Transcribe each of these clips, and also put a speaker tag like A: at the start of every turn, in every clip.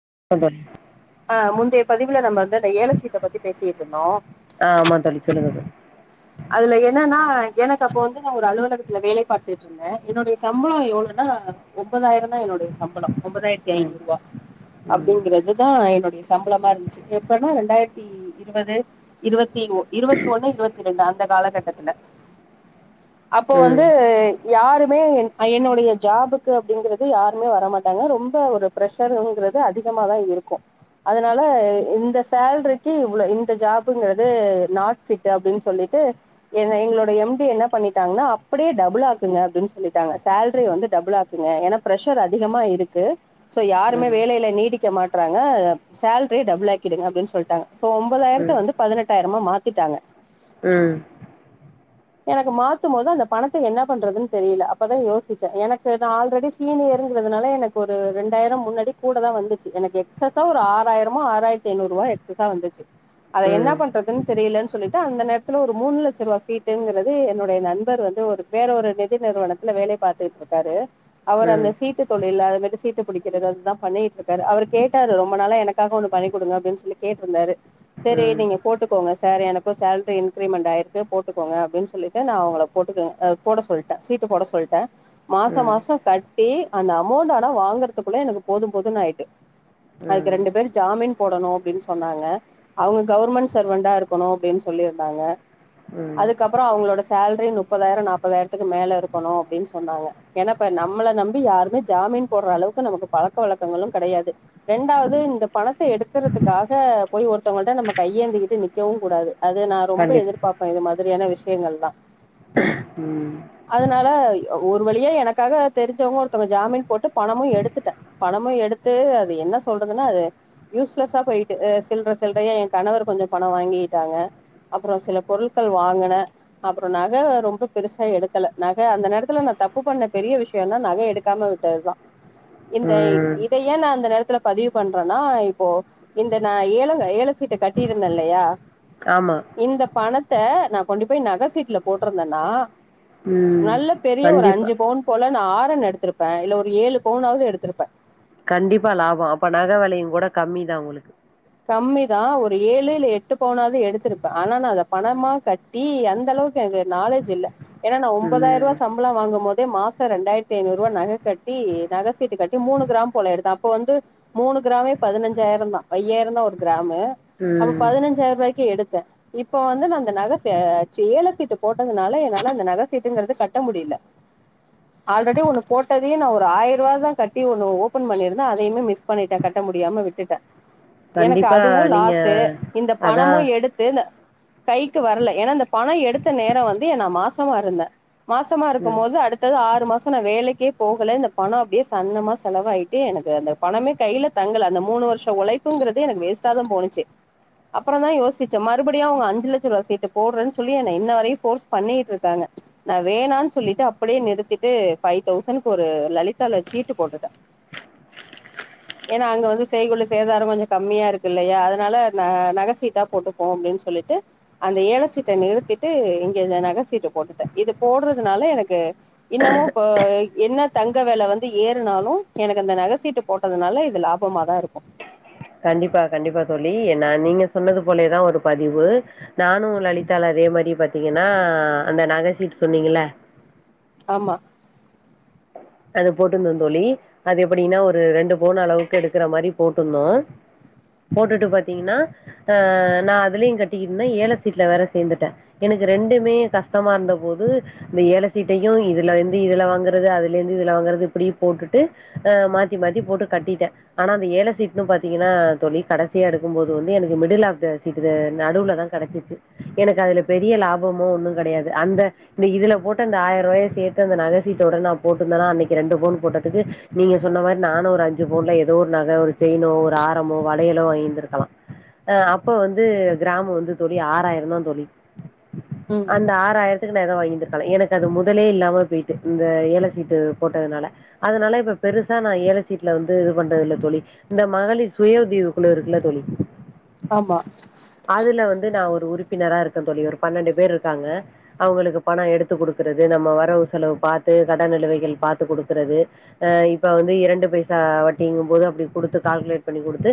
A: [unintelligible]
B: ஆ முந்தைய பதிவுல நம்ம வந்து அந்த ஏலசீட்ட பத்தி பேசிட்டு இருந்தோம்
A: ஆ ஆமா தோழி சொல்லுங்க
B: அதில்ல வேலை பார்த்துட்டு இருந்தே என்னுடைய சம்பளம் எவ்வளவுனா ஒம்பதாயிரம் என்னுடைய சம்பளம் ஒன்பத் ஆயிரத்தி
A: தோழி ம்
B: ஐநூறு ரூபா
A: ம்
B: அப்படிக்கறது தா என்னோடைய சம்பளமா இருந்துச்சு எப்பன ரெண்டாயிரதி இருபது இருபத்தி இருபத்தி ஒன்னு இருபத்திரெண்டு இந்த காலகட்டத்தில்ல அப்போ வந்து
A: ம் ம்
B: யாருமே என் என்னுடைய ஜாபுக்கு அப்படிங்கறது யாருமே வரமாட்டாங்க ரொம்ப ஒரு பிர்ரஷருங்கிறது அதிகம தா இருக்கும் அதனால இந்த சேல்ரிக்கு இ்வ்வள இந்த ஜாபங்கிறது நாட் ஃபிட் அப்படின்னு சொல்லி ட்டு எங்களோட எம் டி என்ன பண்ணிட்டாங்கனா அப்டியே டபுள் ஆக்குங்க அப்டினு சொல்லிட்டாங்க சேல்ரிய வந்து டபுள் ஆக்குங்க ஏனா பஷர் அதிகமா இருக்கு சோ யாருமே
A: ம் ம் ம்
B: வேலையில நீடிக்க மாட்டறாங்க சேலரிய டபுள் ஆக்கிடுங்க அப்டினு சொல்லிட்டாங்க சோ ஒன்பதாயிரத்த
A: ம்
B: வந்து பதினெட்டாயிரமா மாத்திட்டாங்க
A: ம்
B: எனக்கு மாத்தும்போது அந்த பணத்தை என்ன பண்றதுனு தெரியல அப்பதா யோசிச்ச எனக்கு நா ஆல்ரெடி சீனியர்ன்றதுனால எனக்கு ஒரு இரண்டாயிரம் முன்னாடியே கூடதா வந்துச்சு எனக்கு எக்ஸஸா ஒரு ஆராயிரமோ ஆராயிரத்தி ஐநூரோ எக்ஸஸா வந்துச்சு அத என்ன பண்றதுனு தெரியலனு சொல்ட்டு அந்த நேரத் த்துல ஒரு மூனு லட்ச ரூவா சீட்டுங்கிறது என்னுடைய நண்பர் வந்து ஒரு வேற நிதி நிறுவனத்துல வேலை பாத்துகிட்டு இருக்காரு அவரு அந்த சீட்டு தொழில் அது மாரி சீட்டு புடிக்கிறது அதுதா பண்ணிட்டு இருக்காரு அவரு கேட்டாரு ரொம்ப நாளா எனக்காக ஒன்னு பண்ணி குடுங்க அப்படினு சொல்லி கேட்டிருந்தார் செரி நீங்க போட்டுக்கோங்க சார் எனக்கு சேலரி இன் க்ரிமெண்ட் ஆயிருக்கு போட்டுக்கோங்க அப்டின்னு சொல்லிட்டு நா அவுங்கள போட்டுக்க போட சொல்ட்ட சீட்டு போட சொல்ட்ட மாசோ மாசோ கட்டி அந்த அமௌண்ட் ஆனா வாங்குறதுக்குள்ள எனக்கு போதும் போதும் ஆயிடு அதுக்கு
A: ம் ம்
B: ரெண்டு பேர் ஜாமின் போடணுனு சொன்னாங்க அவுங்க கவர்மெண்ட் சர்வண்டா இருக்கணு அப்டினு சொல்லி னாங்க
A: ம் ம்
B: அதுக்கப்புறோ அவங்களோட சேலரி முப்பதாயிரம் நாப்பதாயிரத்துக்கு மேல இருக்கணு அப்டின்னு சொன்னாங்க ஏனா இப்ப நம்மள நம்பி யாருமே ஜாமீன் போடற அளவுக்கு நமக்கு பழக்க வழக்கங்களு கெடையாது ரெண்டாவது இந்த பணத்த எடுக்கறதுக்காக போய் ஒருத்தவங்கள்ட்ட நம்ம கையேந்திக்கிட்டு நிக்கவுங் கூடாது அது ரொம்ப
A: கண்டிப்பா
B: எதிர் பார்ப்பே இது மாரி சரியான விஷயங்கள் எல்லா
A: உம்
B: அதனால ஒரு வழியா எனக்காக தெரிஞ்சவங்க ஒருத்தங்க ஜாமின் போட்டு பணமும் எடுத்துட்ட பணமும் எடுத்து அத என்ன சொல்றதுனா அது யூஸ்லசா போய்ட்டு சில்லறை சில்லறையா என் கணவர் கொஞ்சோ பணோ வாங்கிட்டாங்க அப்புறோ சில பொருட்கள் வாங்குன அப்புறோ நக ரொம்ப பெருசா எடுக்கல நக அந்த நேரத்துல நா தப்பு பண்ண பெரிய விஷ்யோனா நக எடுக்காம விட்டதுதா இந்த
A: ம்
B: இதயே நா இந்த நேரத்துல பதிவு பண்றேன்னா இப்போ இந்த நா ஏல ஏழ சீட்ட கட்டியிருந்தேனில்லயா
A: ஆமா
B: இந்த பணத் த்த நா கொண்டு போய் நக சீட்ல போட்டிருந்தனா
A: ம்
B: நல்லா பெரிய ஒரு
A: கண்டிப்பா
B: அஞ்சு பவுன் போல நா ஆ ரோ எடுத்திருப்ப இல்ல ஒரு ஏழு பவுனாவது எடுத்திருப்ப
A: கண்டிப்பா லாபோ அப்ப நக விலையங்கூட கம்மிதா உங்களுக்கு
B: கம்மிதா ஒரு ஏழு இல்ல எட்டு பவுனாவது எடுத்திருப்ப ஆனா நா அத பணமா கட்டி அந்த அளவுக்கு எனக்கு நாலேட்ஜ் இல்ல ஏனா நா ஒம்பதாயிர ரூவா
A: ம்
B: சம் சம்பளோ வாங்கும்போதே மாசோ இரண்டாயிரத்தி ஐநாறு ரூவா நக கட்டி நக சீட்டு கட்டி மூணு கிராம் போல எடுத்த அப்போ வந்து மூணு கிராமே பதினஞ்சாயிரந்தா ஐய்யாயி ங்க ஒரு கிராம் அப்போ
A: ம்
B: பதினஞ்சாயிர ரூவுய்க்கு எடுத்த இப்ப வந்து நா அந்த நக ஏல சீட்டு போட்டதுனால என்னால அந்த நக சீட்டுங்கிறது என்னால கட்ட முடியல ஆல்ரெடி ஒண்ணு போட்டதே நா ஒரு ஆயிரோ ரூவாதா கட்டி ஒண்ணு ஓப்பன் பண்ணிருந்த அதையுமே மிஸ் பண்ணிட்ட கட்ட முடியாம விட்டுட்ட எனக்கு
A: கண்டிப்பா
B: அதுவு
A: நீங்க
B: லாஸு இந்த
A: அதா
B: பணமும் எடுத்து கைக்கு வர்ல ஏனா இந்த பணோ எடுத்த நேரோ வந்து என் நா மாசமா இருந்த மாசமா
A: ம்
B: இருக்கும்போது அடுத் அடுத்தது ஆறு மாசோ நா வேலைக்கே போகல இந்த பணோ அப்டியே சன்னமா செலவாயிட்டு எனக்கு அந்த பணமே கையில தங்கல அந்த மூணு வர்ஷோ ஒழை தூங்கறது எனக்கு வேஸ்டாதா போனிச்சு அப்புறந்தா யோசிச்சே மறுபடியு அவுங்க அஞ்சு லட்சரூவா சீட்டு போட்றன்னு சொல்லி என்ன இன்ன வரையு போர்ஸ் பண்ணிகிட்ருக்காங்க நா வேணான் சொல்லிட்டு அப்படியே நிறுத்திட்டு ஃபைவ் தௌசண்ட்க்கொரு லலிதால சீட்டு போட்டுட்டே ஏனா அங்க வந்து செய்கூலி சேதாரோ இப்ப கொஞ்சோ கம்மியா இருக்குல்லயா அதனால ந நக சீட்டா போட்டுப்போம் அப்டின் சொல்லிட்டு அந்த ஏல சீட்ட நிறுத்திட்டு இங்க நக சீட்ட போட்டுட்டே இது போடுறதுனால எனக்கு இன்னமு இப்ப என்ன தங்க வெல வந்து ஏறுனாலு எனக்கு அந்த நக சீட்டு போட்டதுனால இது லாபமாதா இருக்கு
A: கண்டிப்பா கண்டிப்பா தோழி ஏனா நீங்க சொன்னது போலேதா ஒரு பதிவு நானு லலிதால அதே மாரி பாத்தீங்கன்னா அந்த நகசீட்டு சொன்னிங்கல்ல
B: ஆமா
A: அது போட்ருந்தோ தோழி அது எப்புடின்னா ஒரு ரெண்டு பவுனு அளவுக்கு எடுக்கற மாரி போட்டிருந்தோ போட்டுட்டு பாத்தீங்கன்னா ஆ நா அதுலயு கட்டிக்கிட்டியிருந்தே ஏல சீட்டுல வேற சேந்துட்டே இப்ப எனக்கு ரெண்டுமே கஷ்டமா இருந்த போது இந்த ஏல சீட்டையு இதுல வந்து இதுல வாங்குறது அது இதுலிருந்து இதுல வாங்குறது இப்டி போட்டுட்டு அ மாத்தி மாத்தி போட்டு கட்டிட்டே ஆனா இந்த ஏல சீட்னு பாத்தீங்கன்னா தோழி கடசியா எடுக்கும்போது வந்து எனக்கு மிடில் ஆஃப் த சீட்டு தே நடுல்ல தா கெடசிச்சு எனக்கு அதுல பெரிய லாபமோ ஒன்னு கெடையாது அந்த இந்த இதுல போட்ட இந்த ஆயர்ருவாய சேத்து அந்த நக சீட்டோட நா போட்டுருந்தன்னா அன்னைக்கு ரெண்டு போனு போட்டதுக்கு நீங்க சொன்ன மாரி நானு ஒரு அஞ்சு போன்ல எதோ ஒரு நக ஒரு செயினோ ஒரு ஆரமோ வலையலோ வாங்கிந்திருக்கலா அ அப்ப வந்து கிராமு வந்து தோழி ஆறாயிரந்தா தோழி
B: ம்
A: அந்த ஆறாயிரத்த பினரா வாங்கி இருந்துருக்கலா எனக்கு அது முதலே இல்லாம போயிட்டு இந்த எலக்கு சீட்டு போட்டதுனால அதுனால இப்ப பெருசா நா ஏழ சீட்ல வந்து இது பண்றது இல்ல தோழி இந்த மகளிர் சுய உதவி குழு இருக்குல்ல தோழி
B: ஆமா
A: அதுல வந்து நா ஒரு உறுப் உறுப்பினரா இருக்கு இல்ல தோழி ஒரு பன்னெண்டு பேர்ருக்காங்க அவுங்களுக்கு பணோ எடுத்துக் குடுக்குறது நம்ம வரவு செலவு பாத்து க தான் நிலுவைகள் பாத்து குடுக்குறது அ இப்ப வந்து இரண்டு பைசா வட்டிங்கும் போது அப்டி குடுத்து கால்குலேட் பண்ணி குடுத்து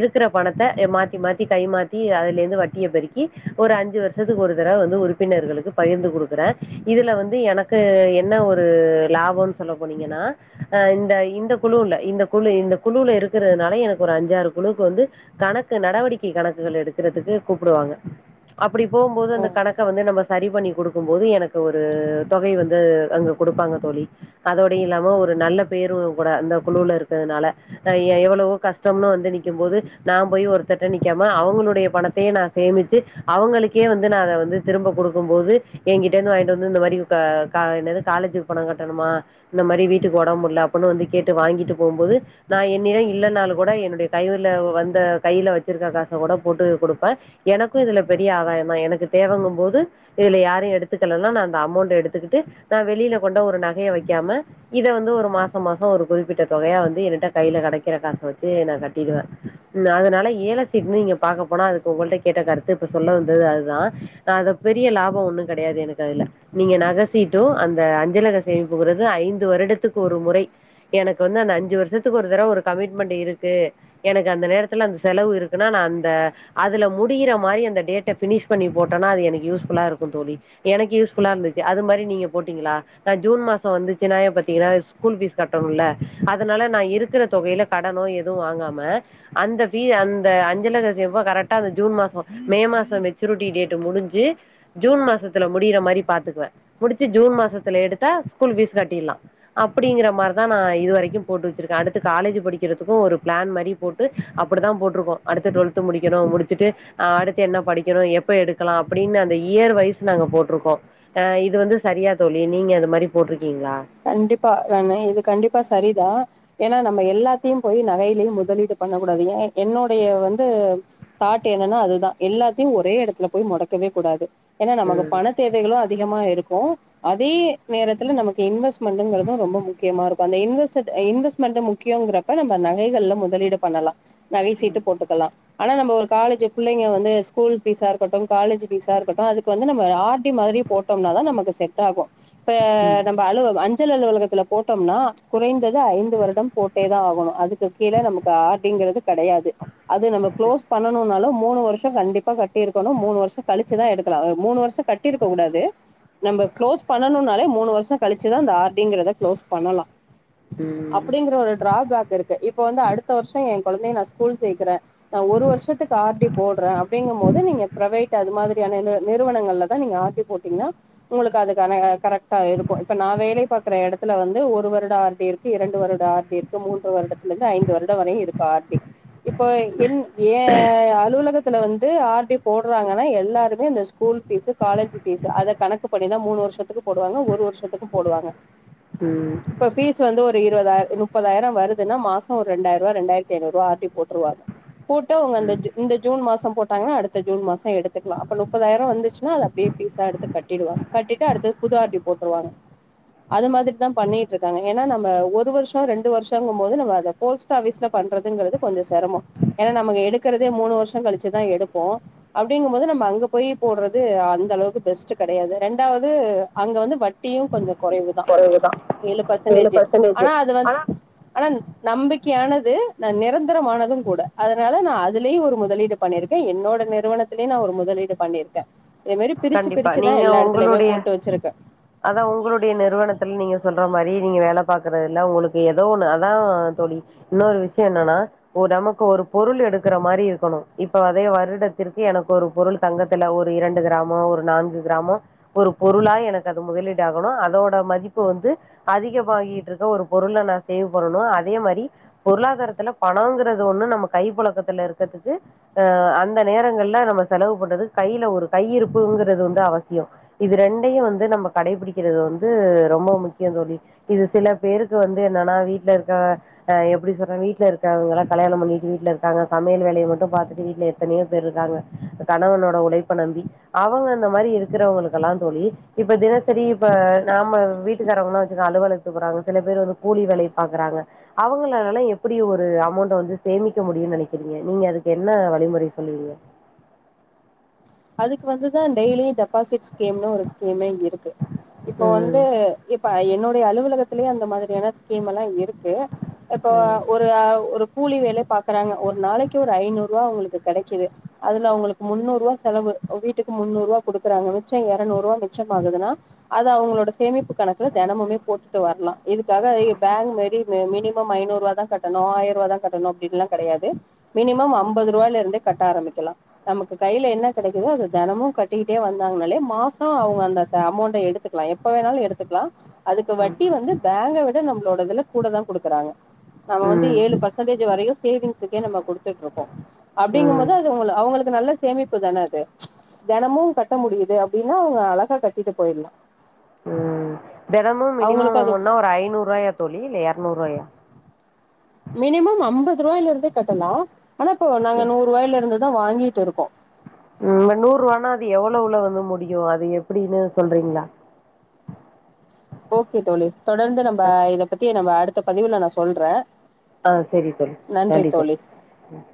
A: இருக்குற பணத்த ய மாத்தி மாத்தி கைமாத்தி அதுலேந்து வட்டிய பெருக்கி ஒரு அஞ்சு வருஷத்துக்கு ஒரு தடவ வந்து உறுப்பினர்களுக்கு பகிர்ந்து குடுக்குறே இதுல வந்து எனக்கு என்ன ஒரு ஒரு லாபோன் சொல்லபோனீங்கன்னா அ இந்த இந்த குழுல இந்த குழு இந்த குழுல இருக்கறதுனால எனக்கு ஒரு அஞ்சாறு குழுக்கு வந்து கணக்கு நடவடிக்கை கணக்குகள் எடுக்கறதுக்கு கூப்புடுவாங்க அப்டி போம்போது அந்த
B: ஓ
A: கணக்க வந்து நம்ம சரி பண்ணி குடுக்கும் போது எனக்கு ஒரு தொகை வந்து அங்க குடுப்பாங்க தோழி அதோட அப்டி இல்லாம
B: ம்
A: ஒரு நல்ல பேரு கூட அந்த குழுல இருக்கதுனால எ எ எவ்வளவோ கஷ்டம்னு வந்து நிக்கிம் போது நா போய் ஒருதர்ட நிக்காம அவுங்களுடைய பணத்தையே நா சேமிச்சு அவுங்களுக்கே வந்து நா அத வந்து திரும்ப குடுக்கும் போது எகிட்ட இருந்து வாங்கீட்டு வந்து இந்த மாரி க க என்னது காலேஜக்கு பணோ கட்டணுமா இந்த மாரி வீட்டுக்கு ஒடம்பு முட்ல அப்புன்னு வந்து கேட்டு வாங்கிட்டு போகும் போது நா என்னிடம் இல்லேன்னாலு கூட என்னுடைய தயவுல வந்த கையில வச்சுருக்க காச கூட போட்டு குடுப்பே எனக்கு இதுல பெரிய ஆதாயந் தா எனக்கு தேவைங்கும் போது இதுல யாரையு எடுத்துக்கலன்னா நா அந்த அமௌண்ட எடுத்துக்குட்டு நா வெளியில கொண்ட ஒரு நகைய வைக்காம இத வந்து ஒரு மாசம் மாசம் ஒரு குறிப்பிட்ட தொகையா வந்து எனட்ட கையில கெடைக்கிற காச வச்சு நா கட்டிடுவே ம் அதுனால ஏல சீட்ன்னு நீங்க பாக்க போனா அதுக்கு உங்கள்ட்ட கேட்ட கருத்து இப்ப சொல்ல வந்தது அதுதா அத பெரிய லாபம் ஒன்னு கெடையாது எனக்கு அதுல நீங்க நக சீட் டு அந்த அஞ்சலக சேமிப்புங்கறது ஐந்து வருடத்துக்கு ஒரு முறை எனக்கு வந்து அந்த அஞ்சு வருசத்துக்கு ஒரு தடவ ஒரு கமிட்மண்ட் இருக்கு எனக்கு அந்த நேரத்துல அந்த செலவு இருக்குனா நா அந்த அதுல முடியிற மாரி அந்த டேட்ட ஃபினிஸ் பண்ணி போட்டோனா அது எனக்கு யூஸ் ஃபுல்லா இருக்கு தோழி எனக்கு யூஸ் ஃபுல்லா இருந்துச்சு அது மாரி நீங்க போட்டிகளா நா ஜுன் மாசோ வந்துச்சுனாயா பாத்தீங்கன்னா ஸ்கூல் ஃபீஸ் கட்டனூல அதுனால நா இருக்குற தொகைல கடனோ எதூ வாங்காம அந்த ஃபீ அந்த அஞ்சலக ஜிவ்வ கரட்டா அந்த ஜுன் மாசோ மே மாசோ மெச்சூரிட்டி டேட்டு முடுஞ்சு ஜுன் மாசத்துல முடியிர மாரி பாத்துக்குவே முடு ச்சு ஜுன் மாசத்துல எடுத்தா ஸ்கூல் ஃபீஸ் கட்டீற்லா அப்டிங்கிற மாரிதா நா இது வரைக்கு போட்டு வச்சுருக்கே அடுத்து காலேஜு படிக்கிறதுக்கு ஒரு பிளான் மாரி போட்டு அப்டிதா போட்ருக்கோ அடுத்து டுவல்த் முடிக்கணு முடுச்சட்டு அ அடுத்து என்ன படிக்கணு எப்ப எடுக்கலா அப்டின்னு அந்த இயர் வைஸ் நாங்க போட்ருக்கோ அ இது வந்து சரியா தோழி நீங்க அது மாரி போட்டிருக்கீங்ளா
B: கண்டிப்பா எல்லாமே இது கண்டிப்பா சரிதா ஏன்னா நம்ம எல்லாத்தையு போயி நகையிலயையு முதலீட்டு பண்ண கூடாது ஏ என்னுடைய வந்து தாட் என்னன்னா அதுதா எல்லாத்தையு ஒரே எடத்துல போய் மொடக்கவே கூடாது ஏன்னா நமக்கு
A: ம்
B: பண தேவைகளு அதி அதிகமா இருக்கு அதே நேரத்துல நமக்கு இன்வெஸ்ட் மண்டுங்குறது ரொம்ப முக்கியமா இருக்கு அந்த இன்வசெட் இன்வெஸ்ட்மெண்ட் முக்கியோங்குறப்ப நம்ம நகைகள்ல முதலீடு பண்ணலா நகை சிட்டு போட்டுக்கலா ஆனா நம்ம ஒரு காலேஜ் புள்ளைங்க வந்து ஸ்கூல் ஃபீஸா இருக்கட்டு காலேஜ் ஃபீஸா இருக்கட்டு அதுக்கு வந்து நம்ம ஆர் டி மாரி போட்டோம்னா தா நமக்கு செட் ஆகு இப்ப
A: ம்
B: நம்ம அழுவ அ அஞ்சல் அலுவலகத்துல போட்டோம்னா குறைந்தது ஐந்து வருடம் போட்டேதா ஆகணு அதுக் கு கீழே நமக்க ஆர் டி ங்கிறது கெடையாது அது நம்ம குளோஸ் பண்ணணுனாலு மூணு வருஷோ கண்டிப்பா கட்டி இருக்கணு மூணு வருஷோ கழிச்சுதா எடுக்கலா மூணு வருஷ கட்டிருக்க கூடாது நம்ம குளோஸ் பண்ணுனோனாலே மூணு வருஷோ கழிச்சுத்தா அந்த ஆர் அப்டிங்கறத குளோஸ் பண்ணலா
A: ம்
B: அப்படிங்கற ஒரு ட்ராபேக் இருக் கு இப்ப வந்து அடுத்த வருஷோ எ கொழந்தைய நா ஸ்கூல் சேக்குறே நா ஒரு வருஷத்துக்கு ஆர்டி போட்றே அப்டிங்கபோது நீங்க பிரேவேட் அது மாதிரியான நு நிறுவனங்கள்ல தா நீங்க ஆர்டி போட்டீங்கன்னா உங்களுக்கு அதுகான கரெக்டா இருக்கு இப்ப நா வேலை பாக்குற எடத்துல வந்து ஒரு வருட ஆர்டி இருக்கு இரண்டு வருட ஆர்டி இருக்கு மூன்று வருடத்துல இருந்து ஐந்து வருட வரை இருக்கு ஆர்டி இப்ப என் ஏ அலுவலகத்துல வந்து ஆர்டி போடுறாங்கனா எல் எல்லாருமே இந்த ஸ்கூல் ஃபீசு காலேஜ் ஃபீசு அத கணக்கு பண்ணிதா மூணு வருஷத்துக்கு போடுவாங்க ஒரு வருஷத்துக்கு போடுவாங்க
A: ம்
B: இப்ப ஃபீஸ் வந்து ஒரு இருவதாயி முப்பதாயிரோ வருது துனா மாசோ ஒரு ரெண்டாயிர்வா ரெண்டாயிரத்தி ஐநூறுஸரூவா ஆர் டி போட்ருவாங்க போட்டு அவுங்க அந்த
A: ம்
B: இந்த ஜூன் மாசோ போட் டாங்னா அடுத்த ஜூன் மாசோ எடுத்துக்லா அப்போ முப்பதாய்ரோ வந்துச்சு னா அத அப்டியே ஃபீசா எடுத்து கட்டிடுவாங்க கட்டிட்டு அடுத்தது புது ஆர் டி போட்ருவாங்க அது மாதிரிதா பண்ணிட்ருக்காங்க ஏனா நம்ம ஒரு வருஷோ ரெண்டு வருஷோங்கும்போது நம்ம அத போஸ்ட் ஆபிஸ்ல பண்றதுங்கிறது கொஞ்சோ செரமோ ஏனா நம்ம எடுக்கறதே மூணு வருஷோ கழிச்சுதா எடுப்போ அப்டிங்கும்போது நம்ம அங்க போய் போடுறது அந்த அளவுக்கு பெஸ்ட் கெடையாது ரெண்டாவது அங்க வந்து வட்டியு கொஞ்சோ குறைவுதா‌ ஏழு பர்சன்டேஜ் ஆனா அது வந்து ஆனா நம்பிக் கையானது நா நிரந்தரமானது கூட அதனால நா அதுலயு ஒரு முதலீடு பண்ணிருக்க என்னோட நிறுவனத்துலயு நா ஒரு முதலீடு பண்ணிருக்க இதே மாரி பிரிச்சு
A: கண்டிப்பா
B: பிரிச்சுதா
A: நீங்க
B: எல்லா எடத்துலயுமே
A: உங்களுடைய
B: போட்டு வெச்சிருக்க
A: அதா உங்களுடைய நிறுவனத்துல நீங்க சொல்ற மாரி நீங்க வேல பாக்குறதுல உங்களுக்கு ஏதோ ஒண்ணு அதா தோழி இன்னொரு விஷயோ என்னனா நமக்கு ஒரு பொருள் எடுக்கற மாரி இருக்கணு இப்போ அதே வருடத்திற்கு எனக் ஒரு பொருள் தங்கத்துல ஒரு இரண் டு கிராமோ ஒரு நான்கு கிராமோ ஒரு பொருளா எனக் கது முதலீடு ஆகணு அதோட மதிப்பு வந்து அதிகமாகிட்ருக்க ஒரு பொருள நா சேவ் பண்ணணு அதே மாரி பொருளாதாரத்துல பணோங்குறது ஒன்னு நம்ம கை பொழக்கத்துல இருக்கதுக்கு அ அந்த நேரங்கள்ல நம்ம செலவு பண்றது கைல ஒரு கையிருப்புங்குறது வந்து அவசியோ இது ரெண்டையு வந்து து நம்ம கடைபிடிக்கிறது வந்து ரொம்ப முக்கியோ தோழி இது சில பேருக்கு வந்து என்னனா வீட்ல இருக்க அ எப்டி சொல்ற வீட்ல இருக்கவங்கலா கல்யாணோ பண்ணிட்டு வீட்லருக்காங்க சமையல் வேலைய மட்டு பாத்துட்டு வீட்டுல எத்தனையோ பேர் இருக்காங்க கணவனோட உழைப்ப நம்பி அவுங்க இந்த மாரி இருக்குறவங்களுக்கெல்லா தோழி இப்ப தினசரி இப்ப நாம வீட்டுக்காரவங்கலா வச்சுக்க அலுவலத்து போறாங்க சில பேர் வந்து கூலி வேலை பாக்குறாங்க அவங்களல்லா எப்டி ஒரு அமௌண்ட வந்து சேமிக்க முடியூ நனைக்கிறீங்க நீங்க அதுக்கு என்ன வழிமுறை சொல்லுவீங்க
B: அதுக்கு வந்துதா டெய்லியு டெப்பாசிட்ஸ் ஸ்கீம்னு ஒரு ஸ்கீமே இருக்கு இப்போ
A: ம்.
B: வந்து இப்ப என்னோ து அலுவலகத்திலே அந்த மாதிரியான ஸ்கீம் எல்லா இருக் கு இப்போ
A: ம்.
B: ஒரு ஒரு கூலி வேலை பாக்குறாங்க ஒரு நாளைக்கு ஒரு ஐநூற்வா அவங்களு கெடைக்குது அதுல அவங்களுக்கு முன்னூறுவா செலவு வீட்டுக்கு முன்னூறுவா குடுக்குறாங்க மிச்சோ எரநூறுவா மிச்சம் ஆகுதுனா அது அவங்களோட சேமிப்பு கணக்குல தெனமுமே போட்டுட்டு வர்லா இதுக்காக அய் பங்க் மேரி மினிமம் ஐநூறுவா தா கட்டணு ஆயிரூவா தா கட்டணு அப்டின்லா கடையாது மினிமம் அம்பது ரூவாயிலருந்தே கட்ட ஆரம்பிக்கலா நமக்கு கையில என்ன கெடைக்குதோ அது தெனமு கட்டிக்கிட்டே வந்தாங்கனாலே மாசோ அவங்க அந்த ச அமோண்ட எடுத்துக்லா எப்ப வேணாலு எடுத்துக்கலா அதுக்கு வட்டி வந்து பேங்க விட நம்ளோட இதுல கூட தா குடுக்குறாங்க நம்ம வந்து
A: ம்.
B: ஏழு பர்சன்டேஜ் வரையு சேவிங்சுக்கே நம்ம குடுத்துட்ருக்கோ அப்டிங்கும்
A: ம்.
B: போது அது உங்கள அவங்களுக்கு நல்ல சேமிப்புதான து தெனமு கட்ட முடியுது அப்டின்னா அவங்க அழகா கட்டிட்டு போயிட்லா
A: ம் தெனமு
B: அவங்களுக்கு
A: மினிமம்
B: அது
A: ஒவ்வொன்னா ஒரு ஐநூறுவாயா தோழி இல்ல எர்நூறுவாயா
B: மினிமம் அம்பத் து ரூவாயிலருந்தே கட்டலா ஆனா இப்போ நாங்க நூறுவாய்லருந்து தா வாங்கிட்டு இருக்கோ
A: ம் நூருவானா அது எவ்வளவுல வந்து முடியு அது எப்டினு சொல்றீங்ளா
B: ஓகே தோழி தொடர்ந்து நம்ப இத பத்தி நம்ம அடுத் த பதிவுல நா சொல்றே
A: ஆ செரி செரி நன்றி தோழி ம்